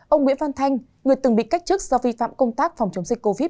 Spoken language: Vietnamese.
ông nguyễn văn thanh người từng bị cách chức do vi phạm công tác phòng chống dịch covid một mươi chín